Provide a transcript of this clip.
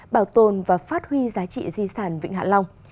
bảo tồn và phát huy giá trị di sản vịnh hạ long